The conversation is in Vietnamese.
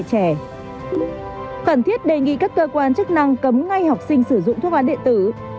cần thiết đề nghị các cơ quan chức năng cấm ngay học sinh sử dụng thuốc lá điện tử